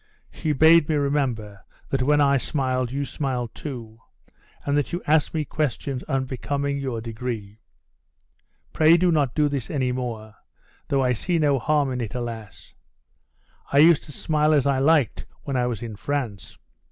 She bade me remember, that when I smiled, you smiled too; and that you asked me questions unbecoming your degree. Pray do not do this any more; though I see no harm in it; alas! I used to smile as I liked when I was in France.